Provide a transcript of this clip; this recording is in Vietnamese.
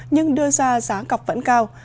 nhưng đưa ra giá cọc vẫn cao